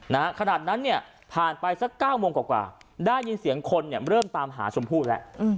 ขนาดนั้นเนี่ยผ่านไปสักเก้าโมงกว่าได้ยินเสียงคนเนี่ยเริ่มตามหาชมพู่แล้ว